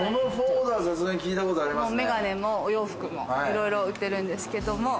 眼鏡もお洋服もいろいろ売ってるんですけども。